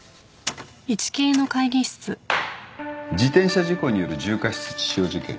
自転車事故による重過失致傷事件。